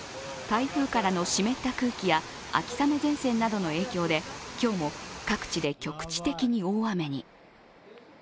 台風からの湿った空気や秋雨前線などの影響で今日も各地で局地的に大雨に。